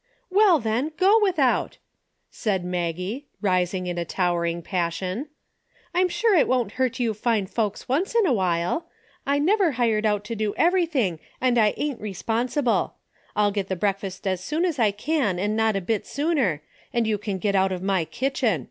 " W ell, then, go without !" said Maggie, rising in a towering passion. "I'm sure it won't hurt you fine folks once in a while. I never hired out ^ do everything and I ain't re sponsible. I'll get the breakfast as soon as I can and not a bit sooner, and you can get out of my kitchen.